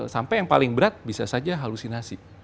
sampai yang paling berat bisa saja halusinasi